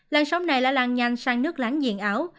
làn sóng này là làn nhanh sang nước láng diện áo